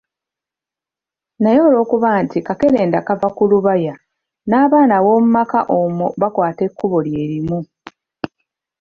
Naye olwokuba nti kakerenda kava ku lubaya n'abaana abomu maka omwo bakwata ekkubo lye limu.